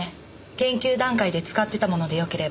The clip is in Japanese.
研究段階で使ってたものでよければ。